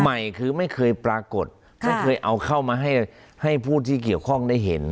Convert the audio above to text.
ใหม่คือไม่เคยปรากฏไม่เคยเอาเข้ามาให้ผู้ที่เกี่ยวข้องได้เห็น